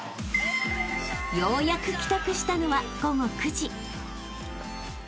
［ようやく帰宅したのは午後９時］